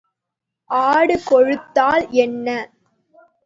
ஆடு கொழுத்தால் என்ன?